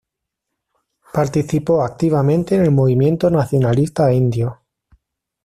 Participó activamente en el movimiento nacionalista indio.